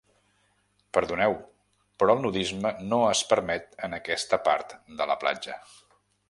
Perdoneu, però el nudisme no es permet en aquesta part de la platja.